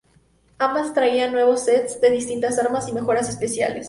Ambas traían nuevos sets de distintas armas y mejoras especiales.